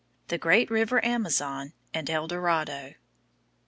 THE GREAT RIVER AMAZON, AND EL DORADO.